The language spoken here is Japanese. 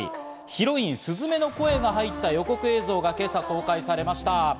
ヒロイン・鈴芽の声が入った予告映像が今朝公開されました。